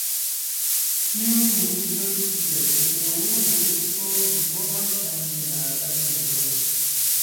Ĉiuj ministroj scias, ke per unu gesto mi povas ŝanĝi la kabineton.